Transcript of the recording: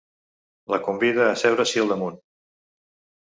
La convida a asseure-s’hi al damunt.